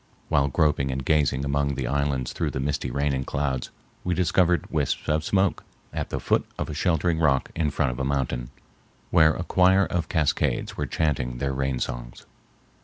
While groping and gazing among the islands through the misty rain and clouds, we discovered wisps of smoke at the foot of a sheltering rock in front of a mountain, where a choir of cascades were chanting their rain songs.